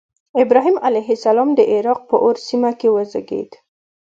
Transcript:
ابراهیم علیه السلام د عراق په أور سیمه کې وزیږېد.